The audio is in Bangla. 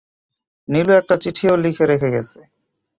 নীলু একটা চিঠিও লিখে রেখে গেছে।